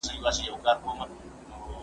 دا واښه له هغه پاکه ده!؟